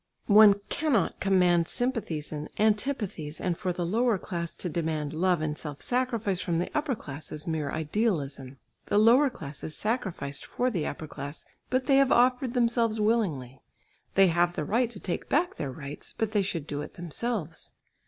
One cannot command sympathies and antipathies, and for the lower class to demand love and self sacrifice from the upper class is mere idealism. The lower class is sacrificed for the upper class, but they have offered themselves willingly. They have the right to take back their rights, but they should do it themselves.